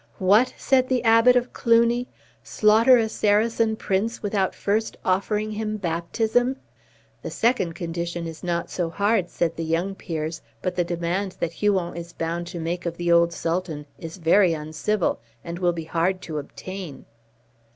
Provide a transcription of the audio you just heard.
"What!" said the Abbot of Cluny; "slaughter a Saracen prince without first offering him baptism?" "The second condition is not so hard," said the young peers, "but the demand that Huon is bound to make of the old Sultan is very uncivil, and will be hard to obtain."